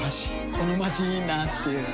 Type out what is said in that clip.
このまちいいなぁっていう